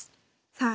さあ